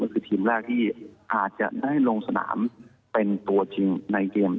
ก็คือทีมแรกที่อาจจะได้ลงสนามเป็นตัวจริงในเกม